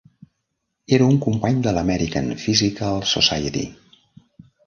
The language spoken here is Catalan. Era un company de l'American Physical Society.